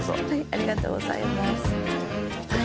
ありがとうございます。